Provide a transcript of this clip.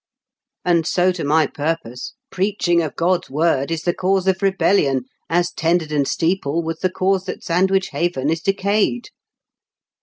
And so to my purpose, preaching of God's word is the cause of TENTEBBEN STEEPLE. 213 rebellion, as Tenderden steeple was the cause that Sandwich haven is decayed."